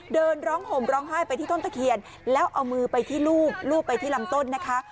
เดินร้องห่มร้องไห้ไปที่ต้นตะเคียนแล้วเอามือไปที่รูปรูปไปที่ลำต้นนะคะ